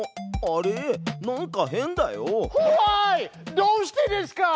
どうしてですか！